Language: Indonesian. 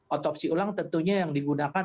otopsi ulang tentunya yang digunakan